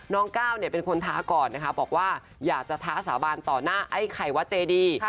ก้าวเนี่ยเป็นคนท้าก่อนนะคะบอกว่าอยากจะท้าสาบานต่อหน้าไอ้ไข่วัดเจดี